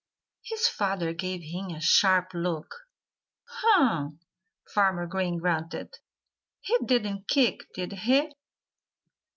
His father gave him a sharp look. "Huh!" Farmer Green grunted. "He didn't kick did he?"